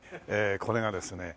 これがですね